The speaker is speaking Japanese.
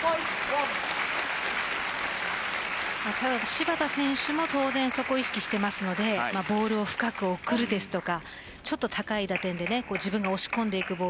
芝田選手も当然そこを意識していますのでボールを深く送るですとかちょっと高い打点で自分が押し込んでいく。